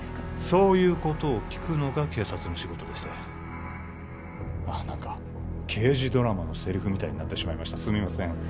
そういうことを聞くのが警察の仕事でして何か刑事ドラマのセリフみたいになってしまいましたすみません